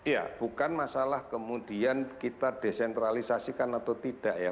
ya bukan masalah kemudian kita desentralisasikan atau tidak ya